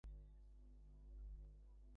এ এক দিনের কাজ নয়।